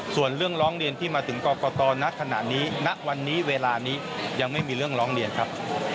ส่วนเรื่องร้องเรียนที่มาถึงกรกตณขณะนี้ณวันนี้เวลานี้ยังไม่มีเรื่องร้องเรียนครับ